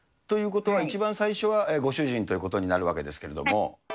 ということは、一番最初はご主人ということになるわけですけれども。